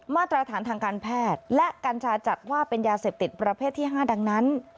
มาตรฐานทางการแพทย์และกัญชาจัดว่าเป็นยาเสพติดประเภทที่๕ดังนั้น